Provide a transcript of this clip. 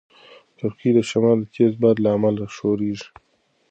کړکۍ د شمال د تېز باد له امله ښورېږي.